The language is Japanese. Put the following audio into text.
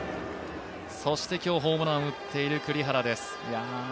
そして今日、ホームランを打っている栗原です。